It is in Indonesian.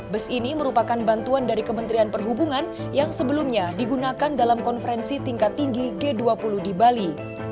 bus ini merupakan bantuan dari kementerian perhubungan yang sebelumnya digunakan dalam konferensi tingkat tinggi g dua puluh di bali